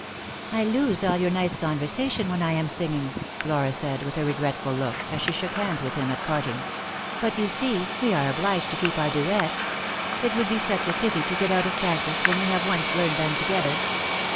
" I lose all your nice conversation when I am singing," Flora said, with a regretful look, as she shook hands with him at parting ;" but, you see, we are obliged to keep up our duets. It would be such a pity to get out of practice when we have once learned them together.